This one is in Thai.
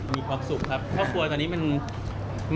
มีความสุขครับเพราะครัวตอนนี้มันเป็นหนึ่งเดียวมากกว่าเดิม